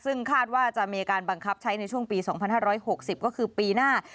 ซึ่งคาดว่าจะมีการบังคับใช้ในช่วงปี๒๕๖๐ก็คือปีหน้า